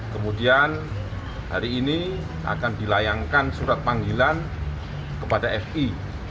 kemudian hari ini akan dilayangkan surat panggilan kepada fi